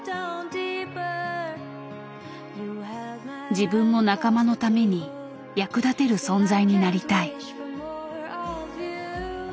自分も仲間のために役立てる存在になりたい。